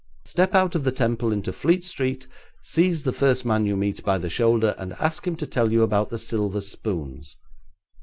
Step out of the Temple into Fleet Street, seize the first man you meet by the shoulder, and ask him to tell you about the silver spoons.